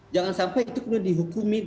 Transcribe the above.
jangan sampai itu kemudian dihukumin